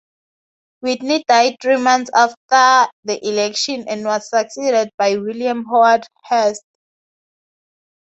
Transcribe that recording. Whitney died three months after the election and was succeeded by William Howard Hearst.